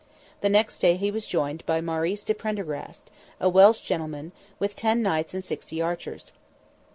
The next day he was joined by Maurice de Prendergast, a Welsh gentleman, with ten knights and sixty archers.